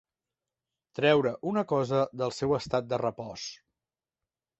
Treure una cosa del seu estat de repòs.